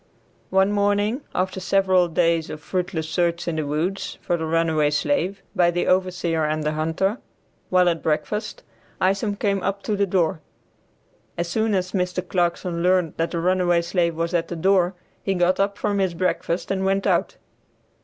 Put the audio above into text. One morning after several days of fruitless search in the woods for the runaway slave by the overseer and the hunter, while at breakfast, Isom came up to the door. As soon as Mr. Clarkson learned that the runaway slave was at the door he got up from his breakfast and went out.